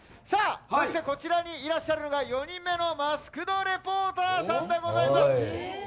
こちらにいらっしゃるのが４人目のマスクド・レポーターさんでございます。